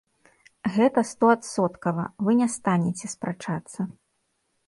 Гэта стоадсоткава, вы не станеце спрачацца.